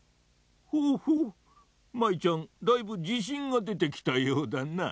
ほうほう舞ちゃんだいぶじしんがでてきたようだな。